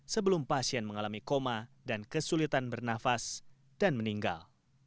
sebelum pasien mengalami koma dan kesulitan bernafas dan meninggal